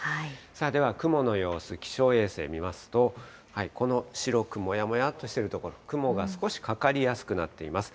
では雲の様子、気象衛星を見ますと、この白く、もやもやっとしている所、雲が少しかかりやすくなっています。